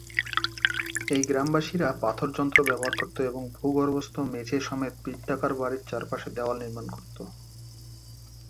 এই গ্রামবাসীরা পাথর যন্ত্র ব্যবহার করত এবং ভূগর্ভস্থ মেঝে সমেত বৃত্তাকার বাড়ির চারপাশে দেওয়াল নির্মাণ করত।